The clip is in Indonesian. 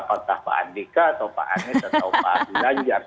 apakah pak andika atau pak anies atau pak ganjar